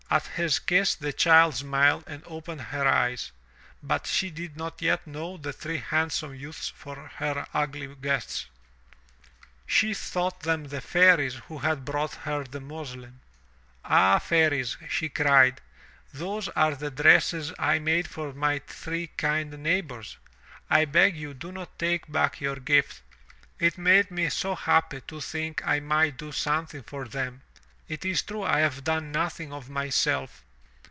At his kiss the child smiled and opened her eyes. But she did not yet know the three handsome youths for her ugly guests. She thought them the Fairies who had brought her the muslin. "Ah, Fairies," she cried, "those are the dresses I made for my three kind neighbors. I beg you do not take back your gift. It made me so happy to think I might do something for them. It is true I have done nothing of myself.